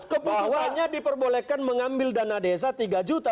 kebutuhannya diperbolehkan mengambil dana desa tiga juta